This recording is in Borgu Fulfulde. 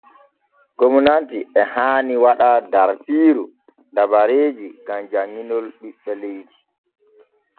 Gomnati e haani waɗa dartiiru dabareeji gam janŋinol ɓiɓɓe leydi.